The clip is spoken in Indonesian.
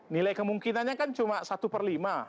nilai kemungkinannya kan cuma satu per lima